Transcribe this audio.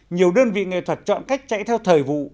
nhiều đơn vị nghệ thuật chọn cách chạy theo thời vụ